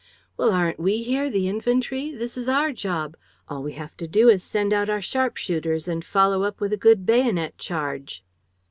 "Well, aren't we here, the infantry? This is our job. All we have to do is to send out our sharpshooters and follow up with a good bayonet charge.